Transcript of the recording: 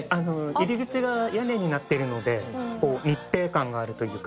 入り口が屋根になっているので密閉感があるというか」